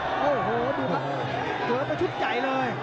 โอ้โหดูครับสวยไปชุดใหญ่เลย